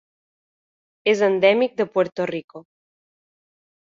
És endèmic de Puerto Rico.